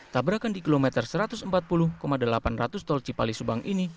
tabrakan di kilometer satu ratus empat puluh delapan ratus tol cipali subang ini